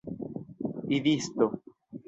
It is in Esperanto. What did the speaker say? idisto